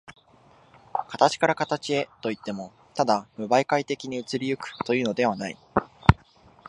形から形へといっても、ただ無媒介的に移り行くというのではない。